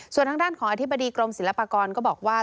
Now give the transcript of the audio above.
ส่วนทางด้านของอธิบดีกรมศิลปากรก็บอกว่า